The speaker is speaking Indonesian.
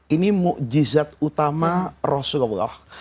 ini mujizat utama rasulullah